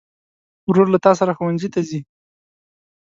ورور له تا سره ښوونځي ته ځي.